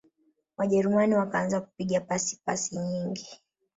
wajerumani wakaanza kupiga pasi pasi nyingi